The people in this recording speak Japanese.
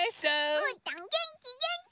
うーたんげんきげんき！